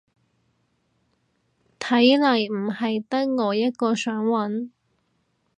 睇嚟唔係得我一個想搵